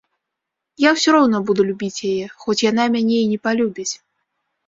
Я ўсё роўна буду любіць яе, хоць яна мяне і не палюбіць.